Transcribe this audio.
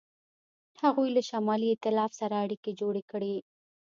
هغوی له شمالي ایتلاف سره اړیکې جوړې کړې.